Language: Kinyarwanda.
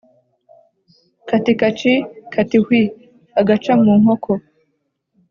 Kati kaci. kati hwi !-Agaca mu nkoko.